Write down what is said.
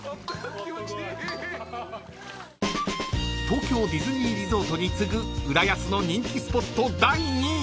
［東京ディズニーリゾートに次ぐ浦安の人気スポット第２位］